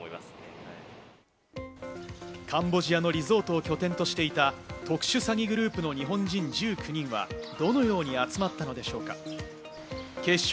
カンボジアのリゾートを拠点としていた特殊詐欺グループの日本人１９人はどのように集まったのでしょうか？